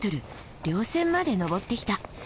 稜線まで登ってきた。